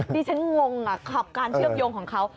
ที่ฉันงงการเชื่อมโยงของเขา